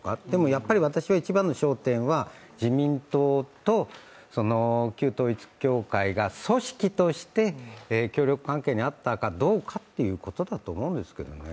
やっぱり一番の焦点は自民党と旧統一教会が組織として協力関係にあったかどうかということだと思うんですけどね。